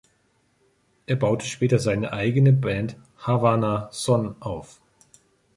Er baute später seine eigene Band „Havana Son“ auf.